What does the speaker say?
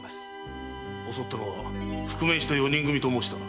襲ったのは覆面の四人組と申したな？